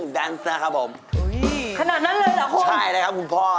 ได้ไม่ดีได้ลูก